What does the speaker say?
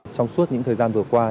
trong suốt những thời gian vừa qua